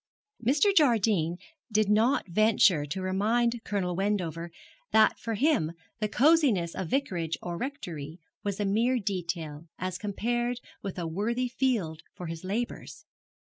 Mr. Jardine did not venture to remind Colonel Wendover that for him the cosiness of vicarage or rectory was a mere detail as compared with a worthy field for his labours.